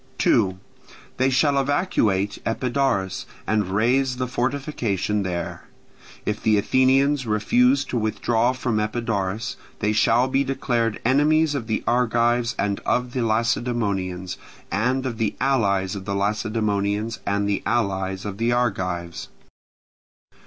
2. They shall evacuate Epidaurus, and raze the fortification there. If the Athenians refuse to withdraw from Epidaurus, they shall be declared enemies of the Argives and of the Lacedaemonians, and of the allies of the Lacedaemonians and the allies of the Argives.